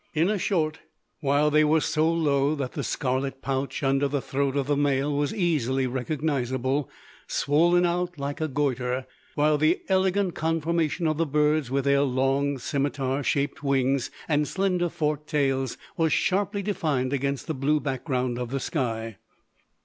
In a short while they were so low that the scarlet pouch under the throat of the male was easily recognisable, swollen out like a goitre; while the elegant conformation of the birds, with their long, scimitar shaped wings, and slender forked tails, was sharply defined against the blue background of the sky.